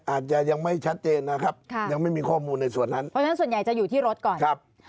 อาจจะยังไม่ชัดเจนนะครับยังไม่มีข้อมูลในส่วนนั้นเพราะฉะนั้นส่วนใหญ่จะอยู่ที่รถก่อนครับ